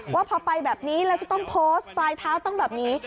ว่าพอไปแบบนี้แล้วจะต้องโพสต์ปลายเท้าต้องแบบนี้